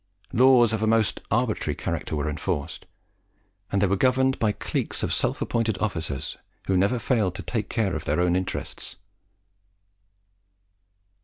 Laws of a most arbitrary character were enforced, and they were governed by cliques of self appointed officers, who never failed to take care of their own interests."